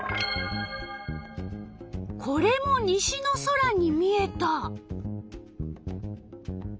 これも西の空に見えた。